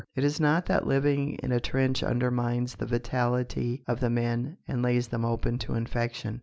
It is not that living in a trench undermines the vitality of the men and lays them open to infection.